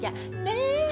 ねえ？